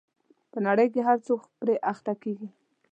په نړۍ کې هر څوک پرې اخته کېږي.